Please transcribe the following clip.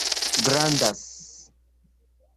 grandas